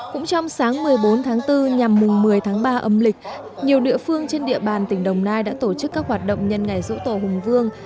cũng trong sáng một mươi bốn tháng bốn nhằm mùng một mươi tháng ba âm lịch nhiều địa phương trên địa bàn tỉnh đồng nai đã tổ chức các hoạt động nhân ngày dỗ tổ hùng vương